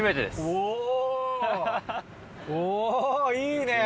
おぉいいね。